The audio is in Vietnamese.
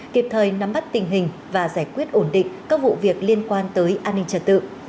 kịp thời nắm bắt tình hình và giải quyết ổn định các vụ việc liên quan tới an ninh trật tự